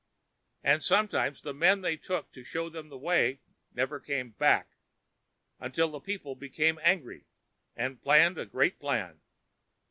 And sometimes the men they took to show them the way never came back, till the people became angry and planned a great plan.